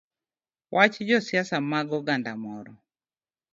Wach josiasa mag oganda moro